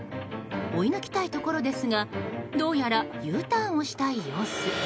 追い抜きたいところですがどうやらＵターンをしたい様子。